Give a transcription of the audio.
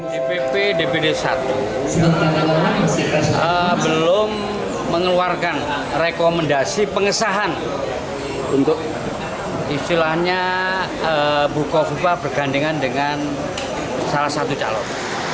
dpp dpd satu belum mengeluarkan rekomendasi pengesahan untuk istilahnya buko viva bergandengan dengan salah satu calon